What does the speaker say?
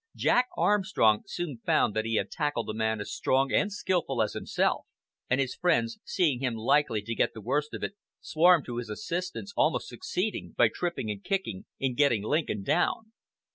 Jack Armstrong soon found that he had tackled a man as strong and skilful as himself; and his friends, seeing him likely to get the worst of it, swarmed to his assistance, almost succeeding, by tripping and kicking, in getting Lincoln down.